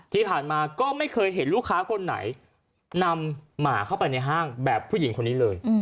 ที่ผ่านมาก็ไม่เคยเห็นลูกค้าคนไหนนำหมาเข้าไปในห้างแบบผู้หญิงคนนี้เลย